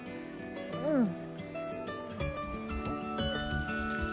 うん。